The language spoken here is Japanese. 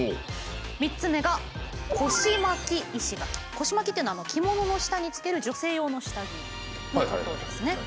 こしまきというのは着物の下につける女性用の下着のことですね。